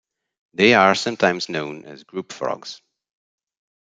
They are sometimes known as ground frogs.